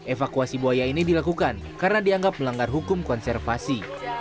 evakuasi buaya ini dilakukan karena dianggap melanggar hukum konservasi